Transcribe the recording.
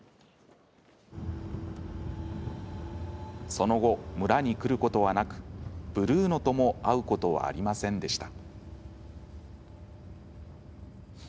その後、村に来ることはなくブルーノとも会うことはありませんでした。